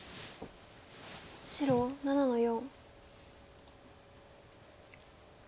白７の四。